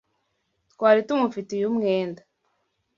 Twari tumufitiye umwenda.